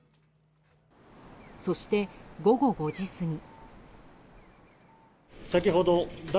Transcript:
そして、午後５時過ぎ。